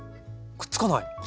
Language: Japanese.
くっつかない。